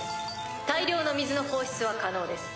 大量の水の放出は可能です。